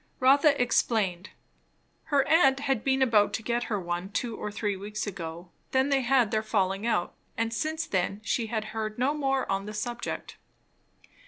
Rotha explained. Her aunt had been about to get her one two or three weeks ago; then they had had their falling out, and since then she had heard no more on the subject.